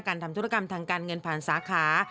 ทำธุรกรรมทางการเงินผ่านสาขา